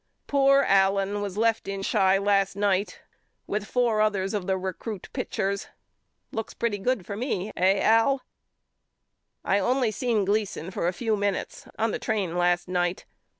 Poor Allen was left in Chi last night with four others of the recrut pitchers. Looks pretty good for me eh Al*? I only seen Gleason for a few minutes on the train last night.